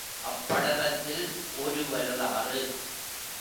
அப்படலத்தில் ஒரு வரலாறு.